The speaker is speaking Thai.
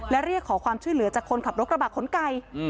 และเรียกขอความช่วยเหลือจากคนขับรถกระบะขนไก่